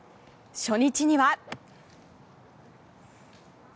初日には。